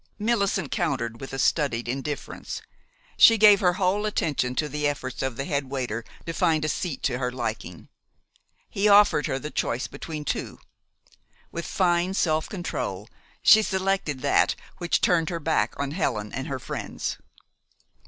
Millicent countered with a studied indifference. She gave her whole attention to the efforts of the head waiter to find a seat to her liking. He offered her the choice between two. With fine self control, she selected that which turned her back on Helen and her friends.